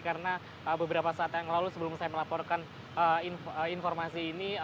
karena beberapa saat yang lalu sebelum saya melaporkan informasi ini